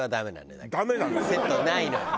セットないのよ。